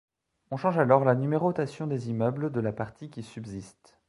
On change alors la numérotation des immeubles de la partie qui subsiste.